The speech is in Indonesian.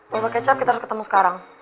botol kecap kita harus ketemu sekarang